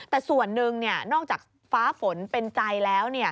แต่ส่วนหนึ่งนอกจากฟ้าฝนเป็นใจแล้ว